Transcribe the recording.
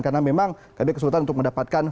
karena memang kami kesulitan untuk mendapatkan